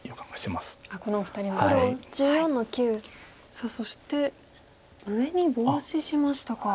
さあそして上にボウシしましたか。